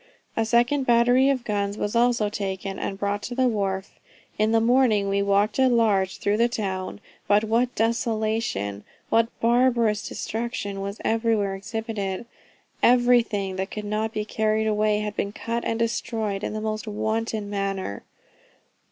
A second battery of guns was also taken and brought to the wharf. In the morning we walked at large through the town; but what desolation, what barbarous destruction was everywhere exhibited! everything that could not be carried away had been cut and destroyed in the most wanton manner.